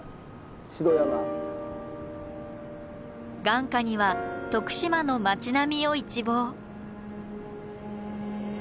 眼下には徳島の町並みを一望。